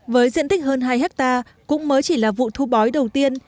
với diện tích hơn hai hectare cũng mới chỉ là vụ thu bói đầu tiên